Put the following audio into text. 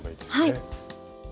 はい。